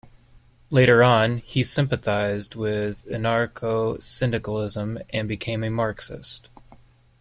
Later on, he sympathised with Anarcho-Syndicalism and became a Marxist.